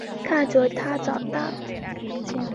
看着他长大